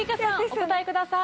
お答えください。